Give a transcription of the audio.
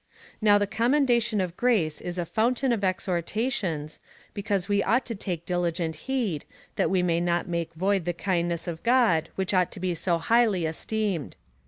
Now the commendation of grace is a fountain ^ of exhortations, because we ought to take diligent heed, that we may not make void the kindness of God, which ought to be so highly esteemed.